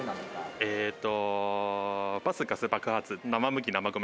えっと。